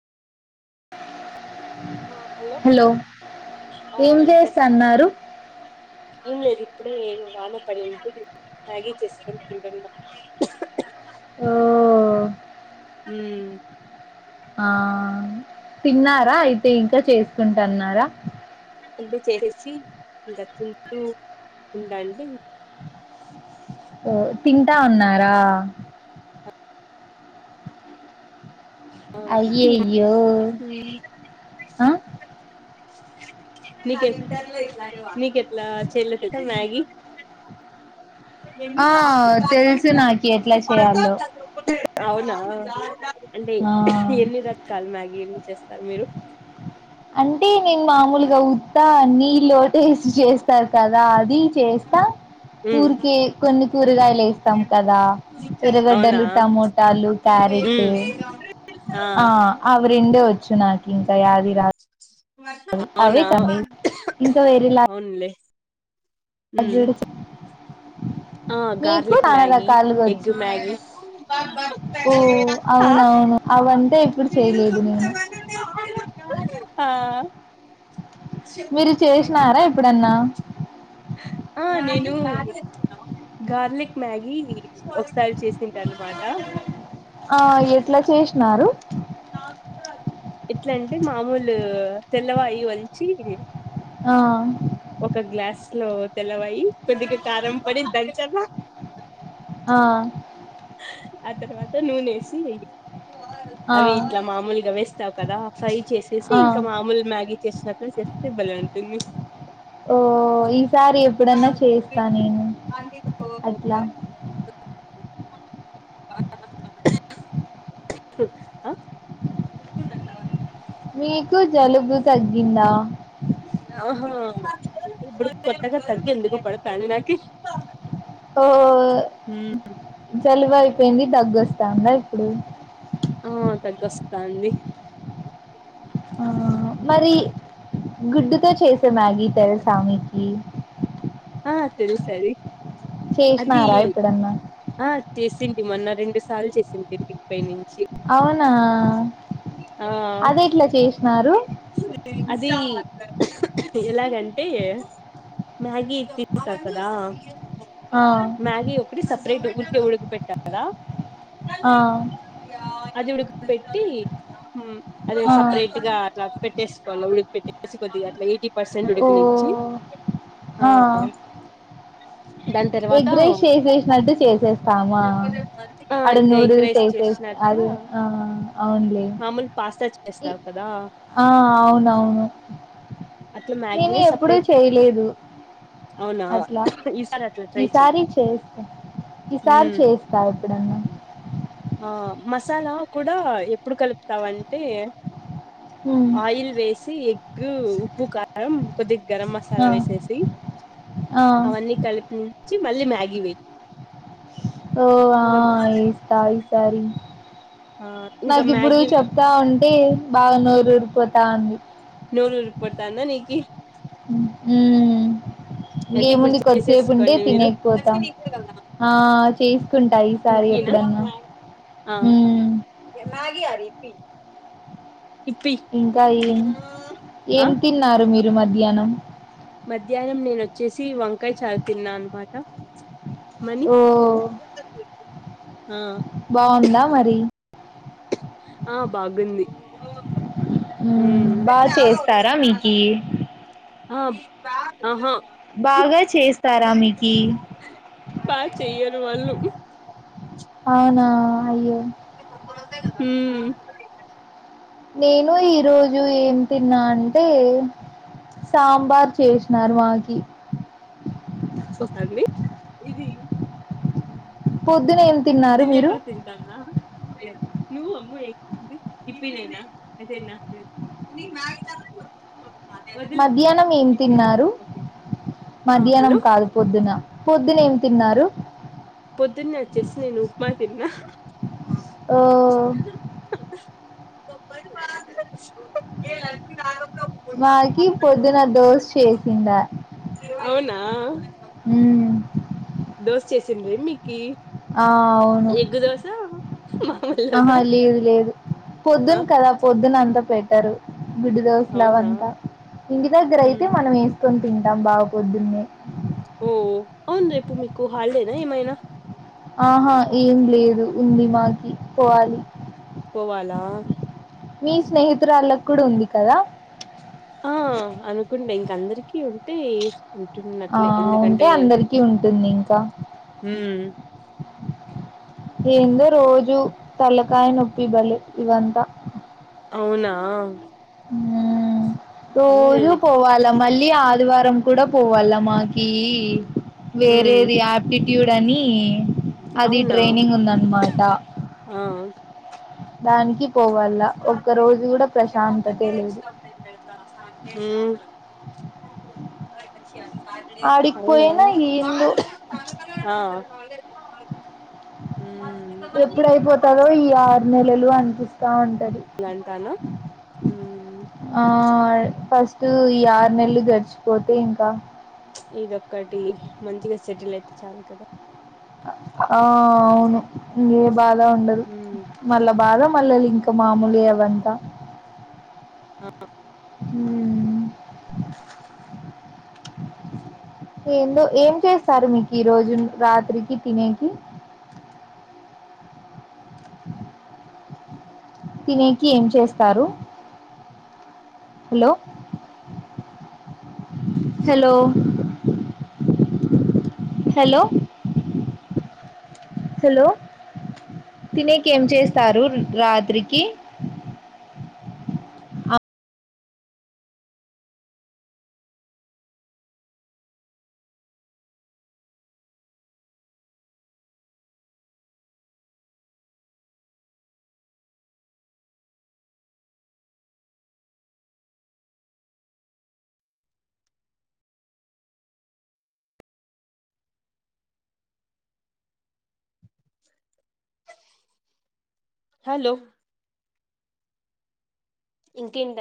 Hello ఆ ఏం చేస్తన్నారు ఎం లేదు ఇప్పుడే నేను వాన పడింటే మ్యాగీ చేసుకొని తిన్టున్నా ఓ హు ఆ తిన్నారా అయితే ఇంక చేసుకుంటన్నారా అంటే చేసేసి ఇంగ తింటూ ఉండండి ఓ తింటన్నారా ఆ అయ్యయ్యో ఆ [unintelligible] ఎట్లా చెల్ మ్యాగి ఆ తెలుసు నాకి ఎట్లా చేయాలో అవునా అంటే ఆ ఎన్ని రకాలు మ్యాగీలు చేస్తారు మీరు అంటే నేను మామూలుగా ఉత్తా నీళ్ళోటేసి చేస్తారు కదా అది చేస్తా మ్మ్ ఊరికే కొన్ని కూరగాయలు వేస్తాం కదా అవునా ఎర్రగడ్డలు ట మోటాలు క్యారెట్ మ్మ్ ఆ అవి రెండే వచ్చు నాకు ఇంకా య అవే అవునా కండి ఇంకా వేరల అవునులే మ్మ్ ఆ మీకు గార్లిక్ చాల మ్యాగీ రకాలుగా ఎగ్ ఒచ్చు మ్యాగీ ఓ ఆ అవునవును అవ ఆ మీరు చేసినారా ఎప్పుడన్నా ఆ నేను గార్లిక్ మ్యాగీ ఒకసారి చేసింటి అనమాట నరు ఎట్లాంటే మామూలు తెల్లవాయి వలిచి ఆ, ఒక గ్లాస్ లో తెలవాయి కొద్దిగా కారం పొడి దంచమ ఆ ఆ తర్వాత నూనేసి ఆ, అవి ఇట్లా మామూలుగా వేస్తావు కదా ఫ్రై చేసేసి ఆ. ఇంకా మామూలు మ్యాగీ చేసినట్లా చేస్తే బల వుంటుంది ఓ ఈసారి ఎప్పుడన్నా చేయీస్త నేను అట్ల ఆ మీకు జలుబు తగ్గిందా ఆహా కొత్తగా తగ్గు ఎందుకో పడతంది నాకి ఓ జలుబు అయిపోయింది తగ్గొస్తాందా ఇప్పుడు ఆ తగ్గు వస్తన్ది ఆ, మరి గుడ్డుతో చేసే మ్యాగి తెల్సా మికి ఆ తెలుసది అది చేసినారా ఇప్పుడన్నా చే తింటి మొన్న రెండు సార్లు చేసింది తింటిక్పైై నుంచి అవునా ఆ అది ఎట్లా చేసినారు అది ఎలాగంటే మ్యాగీ తీసా కదా ఆ మ్యాగీ ఒకటి సపరేట్ ఉరికే ఉడికి పెట్టా కదా ఆ అది ఉడుక పెట్టి అది ఆ సపరేట్ గా అట్లా పెట్టేసుకోవల్ల ఉడక పెట్టేసి కొద్దిగా అట్లా ఎయిటీ పర్సెంట్ ఓ ఉడకనిచ్చి ఆ ఆ ఎగ్ రైస్ చేసేసినట్టు చేసేస్తామా ఆ ఆడ ఇంకా ఎగ్ నూడుల్స్ రైస్ ఏసేస్ చేసినట్లా అదే ఆ అవును మామూలు పాస్తా చే ఆ అవునవును అట్లా నేను మ్యాగీనే ఎప్పుడూ సపరేట్ చేయలే దు అవునా అట్లా ఈసారి అట్లా ట్రై చెయి ఈసారి చేస్తా ఈసారి చేస్తా ఎప్పుడన్న ఆ మసాలా కూడా ఎప్పుడు కలుపుతావంటే ఉమ్ ఆయిల్ వేస్ ఎగ్ ఉప్పు కారం కొద్ది గరం మసాలా ఆ వేసేసి ఆ అవన్నీ కలిపి చి మళ్ళీ మ్యాగి వై ఓ ఆ ఏస్తా ఈసారి ఆ ఇంకా నాకు ఇప్పుడు మ్యాగీ చెప్తా ఉంటే బాగా నోరు ఊరిపోతా ఉంది నోరు ఊరి పోతాంద నీకు ఊ అయితే ఇప్పుడు ఇంకేముంది కొద్దిసేపు ఉంటే చేసేసుకోండి మీరు తినేకిపోతాం ఆ చేసుకుంటా ఈసారి ఎప్పుడన్నా మ్మ్. మ్యాగి కాదు ఇప్పి ఇంకా ఏం ఏం తిన్నారు మీరు మధ్యానం మధ్యానం నేనొచ్చేసి వంకాయ చారు తిన్న అనమాట మనీ ఓ బాగుందా మరి ఆ బాగుంది ఉమ్ బాగా చేస్తారా మీకీ అ ఆహా బాగా చేస్తారా మీకి బా చెయ్యరు వాళ్ళు అవునా అయ్యో ఉ నేను ఈ రోజు ఏం తిన్నా అంటే సాబార్ చేషినారు మాకి అండి ఇది పొద్దున ఏం తిన్నారు మీరు ఇప్పినేనా అదేనా మ మధ్యానం ఏం తిన్నారు ఆ మధ్యానం హలో కాదు పొద్దున పొద్దున ఏం తిన్నారు పొద్దున్న వచ్చేసి నేను ఉప్మా తిన్నా ఓ [unintelligible] వాళ్ళకి పొద్దున్న దోశ చేసిందా అవునా ఉం దోశ చేసిందేమి కి ఆ అవును ఎగ్ దోస మాములు దోస పొద్దున్న కదా పొద్దున్న అంతా పెట్ గుడ్డు దోశలు అవునా అవంతా ఇంటి దగ్గర అయితే ఉమ్ మనం వేసుకొని తింటాం బా పొద్దున్నే ఓ అవును రేపు మీకు హలి డేన ఏమైనా ఆహా ఏం లేదు ఉంది మాకి పోవాలి పోవాలా మీ స్నేహితురాళ్ళకు కూడా ఉంది కదా ఆ అనుకుంటే ఇంక అందరికి ఉంటే ఆ ఉంటున్నట్లే ఉంటే అందరికి ఉంటుంది ఇంకా ఉం ఏందో రోజు తల్లకాయ నొప్పి ఇ బ్వలేె [unintelligible] ఇవంతా అవునా ఏం రోజూ లేదులే పోవాలా మళ్ళీ ఆదివారం కూడా పోవాలా మాకి ఉమ్ వేరేది ఆప్టిట్యూడ్ అని అది అవునా ట్రైనింగ్ ఉందనమాట దానికి పోవాల ఒక్క రోజు కూడా ప్రశాంతతే లేదు ఉం ఆడికి అవునా పోయినా ఏందో ఆ ఉమ్ ఎప్పుడు అయిపోతదో ఈ ఆరు నెలలు అనిపిస్తా ఉంటా అంటానా ఉం ఆ ఫస్ట్ ఈ ఆరు నెలలు గడిచిపోతే ఇంకా చ్ ఇదొక్కటి మంచిగా సెటిల్ అయితే చాలు కదా ఆ అవును ఇంగే బాధ ఉండదు మళ్ళా బాధ మల్లలు ఇంకా మామూలేయే అవంతా ఆ ఉం ఏందో ఏం చేస్తారు మీకు ఈ రోజు రాత్రికి తినేకి తినేకి ఏం చేస్తారు హలో హలో హలో హలో తినేకేం చేస్తారు రాత్రికి ఆ హలో ఇంకేంటి